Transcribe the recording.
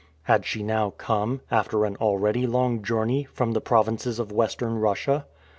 Had she now come, after an already long journey, from the provinces of Western Russia?